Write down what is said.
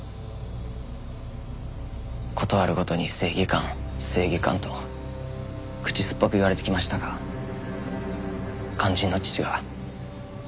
事あるごとに正義感正義感と口すっぱく言われてきましたが肝心の父が。